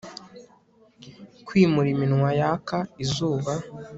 Kwimura iminwa yaka izuba